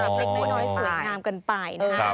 ปรุงในหน่อยสูญรามกันไปนะคะ